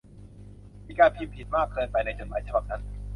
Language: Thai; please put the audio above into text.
มีการพิมพ์ผิดมากเกินไปในจดหมายฉบับนั้น